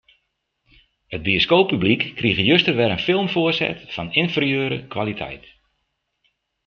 It bioskooppublyk krige juster wer in film foarset fan ynferieure kwaliteit.